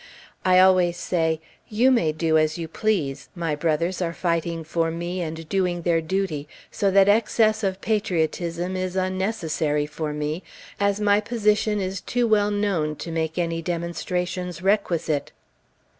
I always say, "You may do as you please; my brothers are fighting for me, and doing their duty, so that excess of patriotism is unnecessary for me, as my position is too well known to make any demonstrations requisite."